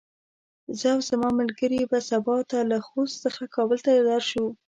زه او زما ملګري به سبا ته له خوست څخه کابل ته درشو.